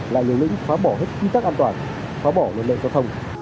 lại lưu lĩnh phá bỏ hết ký tắc an toàn phá bỏ lực lượng giao thông